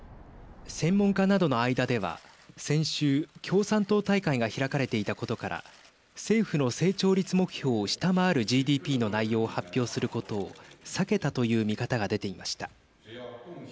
専門家などの間では先週、共産党大会が開かれていたことから政府の成長率目標を下回るＧＤＰの内容を発表することを避けたという見方が出ていました。